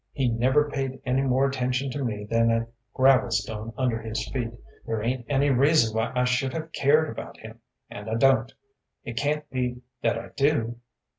"He never paid any more attention to me than a gravel stone under his feet; there ain't any reason why I should have cared about him, and I don't; it can't be that I do."